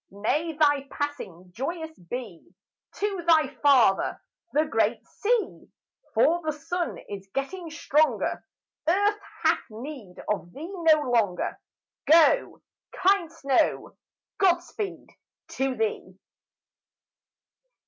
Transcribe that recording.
May thy passing joyous be To thy father, the great sea, For the sun is getting stronger; Earth hath need of thee no longer; Go, kind snow, God speed to thee!